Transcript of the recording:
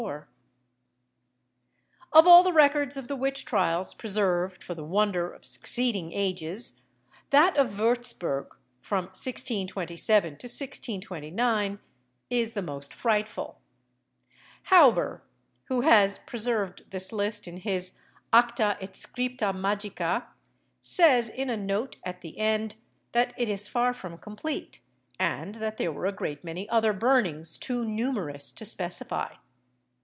[Illustration: BAMBERG.] Of all the records of the witch trials preserved for the wonder of succeeding ages, that of Würzburg, from 1627 to 1629, is the most frightful. Hauber, who has preserved this list in his Acta et Scripta Magica, says, in a note at the end, that it is far from complete, and that there were a great many other burnings too numerous to specify.